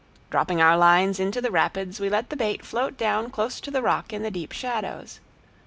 Dropping our lines into the rapids, we let the bait float down close to the rock in the deep shadows.